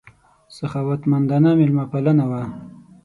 سخاوتمندانه مېلمه پالنه وه.